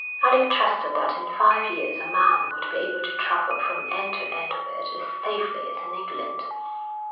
Alec trusted that in five years a man would be able to travel from end to end of it as safely as in England.